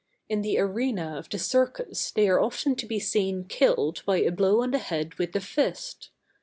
In the arena of the Circus they are often to be seen killed by a blow on the head with the fist.